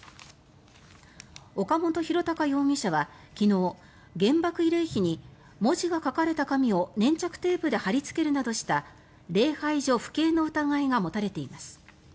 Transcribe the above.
岡本浩孝容疑者は昨日原爆慰霊碑に文字が書かれた紙を粘着テープで貼りつけるなどした礼拝所不敬の疑いが持たれています。